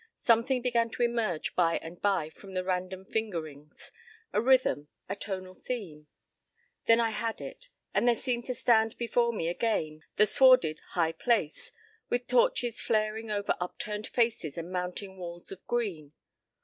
Something began to emerge by and by from the random fingerings—a rhythm, a tonal theme.—Then I had it, and there seemed to stand before me again the swarded "high place," with torches flaring over upturned faces and mounting walls of green.